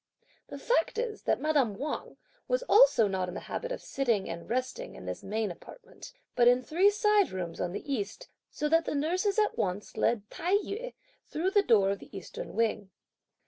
The fact is that madame Wang was also not in the habit of sitting and resting, in this main apartment, but in three side rooms on the east, so that the nurses at once led Tai yü through the door of the eastern wing.